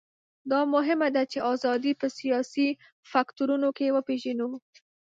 دا مهمه ده چې ازادي په سیاسي فکټورونو کې وپېژنو.